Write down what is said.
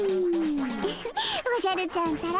ウフッおじゃるちゃんったら。